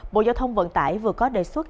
bộ giao thông vận tải vừa có đề xuất